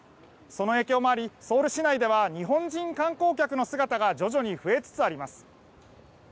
その影響もあり、ソウル市内では日本人観光客の姿が徐々に増えつつあります。